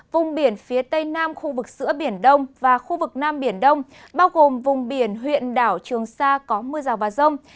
vùng biển phía tây nam khu vực giữa biển đông và khu vực nam biển đông bao gồm vùng biển huyện đảo trường sa có mưa rào và rông